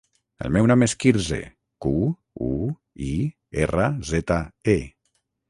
El meu nom és Quirze: cu, u, i, erra, zeta, e.